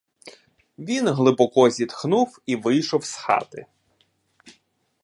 Він глибоко зітхнув і вийшов з хати.